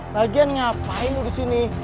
lagian ngapain lu di sini